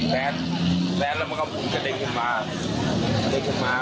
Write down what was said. แป๊ดแล้วมันก็จะเด็กขึ้นมา